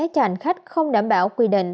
cho hành khách không đảm bảo quy định